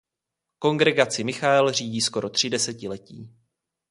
Kongregaci Michael řídil skoro tři desetiletí.